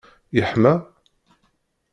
yeḥma?